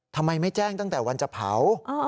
ทำไมไม่แจ้งตั้งแต่วันจะเผา